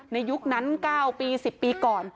ในยุคนั้น๙๑๐ปีก่อน